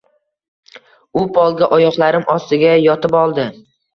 U polga, oyoqlarim ostiga yotib oldi